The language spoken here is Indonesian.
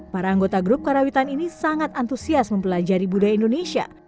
para anggota grup karawitan ini sangat antusias